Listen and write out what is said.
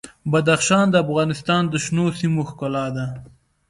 بدخشان د افغانستان د شنو سیمو ښکلا ده.